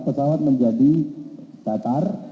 pesawat menjadi datar